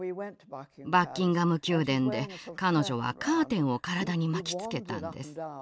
バッキンガム宮殿で彼女はカーテンを体に巻きつけたんです。